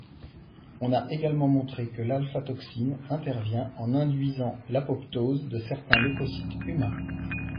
On a également montré que l'α-toxine intervient en induisant l'apoptose de certains leucocytes humains.